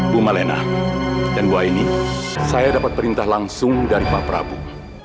bu malena dan bu aini saya dapat perintah langsung dari pak prabu